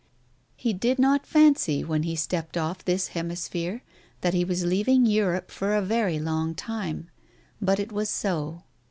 He did not fancy, when he stepped off this hemisphere, that he was leaving Europe for a very long time. But it was so.